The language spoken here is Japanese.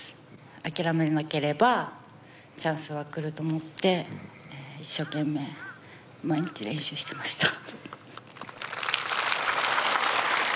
諦めなければチャンスは来ると思って一生懸命、毎日練習してました。